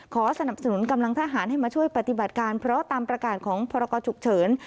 สนับสนุนกำลังทหารให้มาช่วยปฏิบัติการเพราะตามประกาศของพรกรฉุกเฉิน